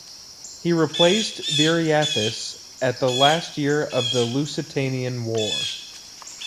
He replaced Viriathus at the last year of the Lusitanian War.